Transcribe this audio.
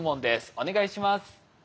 お願いします。